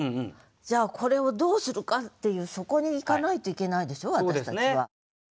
じゃあこれをどうするかっていうそこにいかないといけないでしょ私たちは。